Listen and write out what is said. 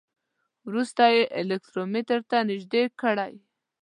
وروسته یې الکترومتر ته نژدې کړئ.